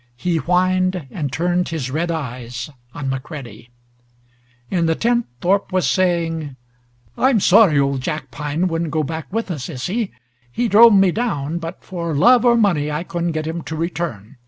He whined, and turned his red eyes on McCready. In the tent Thorpe was saying: "I'm sorry old Jackpine wouldn't go back with us, Issy. He drove me down, but for love or money I couldn't get him to return.